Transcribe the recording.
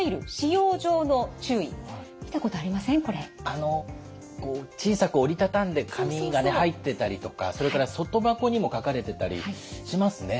あの小さく折り畳んで紙がね入ってたりとかそれから外箱にも書かれてたりしますね。